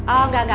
oh engga engga